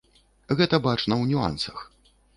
Гэта бачна ў нюансах.